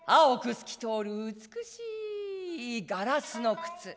透き通る美しいガラスの靴。